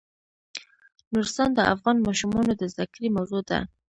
نورستان د افغان ماشومانو د زده کړې موضوع ده.